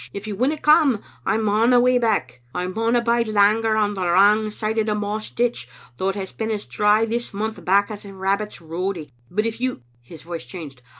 If you winna come, I maun awa back. I mauna bide langer on the wrang side o' the Moss ditch, though it has been as dry this month back as a rabbit's roady. But if you —" His voice changed.